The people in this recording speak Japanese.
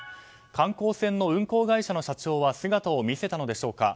観光船の運航会社の社長は姿を見せたのでしょうか。